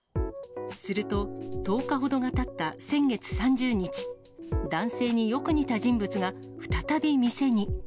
すると、１０日ほどがたった先月３０日、男性によく似た人物が、再び店に。